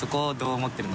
映ってるの。